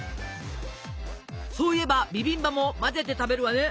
そういえばビビンバも混ぜて食べるわね。